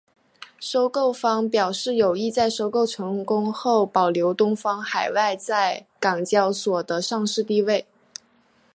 收购方表示有意在收购成功后保留东方海外在港交所的上市地位。